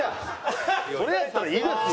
それやったらいいですよ。